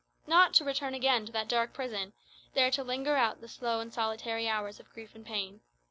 Not to return again to that dark prison, there to linger out the slow and solitary hours of grief and pain.